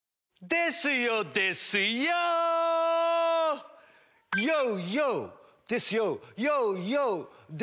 ですよ。！です ＹＯ！